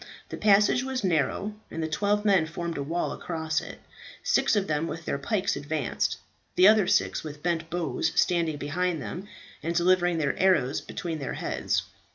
The passage was narrow, and the twelve men formed a wall across it. Six of them with their pikes advanced, the other six with bent bows standing behind them and delivering their arrows between their heads.